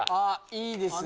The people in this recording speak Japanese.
いいですね。